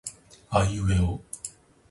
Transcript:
aiueo